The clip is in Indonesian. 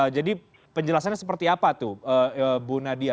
jadi penjelasannya seperti apa tuh bu nadia